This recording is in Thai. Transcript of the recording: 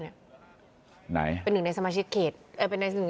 เนี่ยไหนเป็นหนึ่งในสมาชิกเกตเออเป็นในในอย่าง